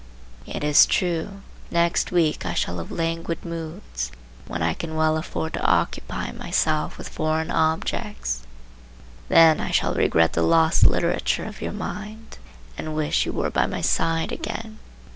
It is true, next week I shall have languid moods, when I can well afford to occupy myself with foreign objects; then I shall regret the lost literature of your mind, and wish you were by my side again.